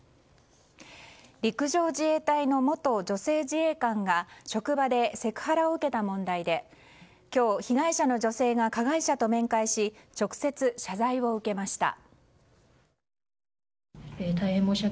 陸上自衛隊の元女性自衛官が職場でセクハラを受けた問題で今日、被害者の女性が加害者と面会し直接謝罪を受けました。